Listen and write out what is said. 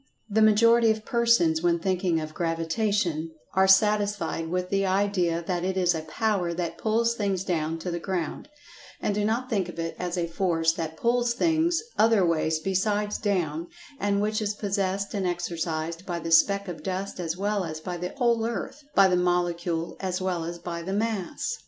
The majority of persons, when thinking of "Gravitation," are satisfied with the idea that it is a power that "pulls things down to the ground," and do not think of it as a force that "pulls things" other ways besides "down," and which is possessed and exercised by the speck of dust as well as by the whole earth—by the molecule as well as by the mass.